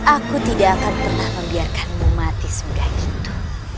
aku tidak akan pernah membiarkanmu mati semoga itu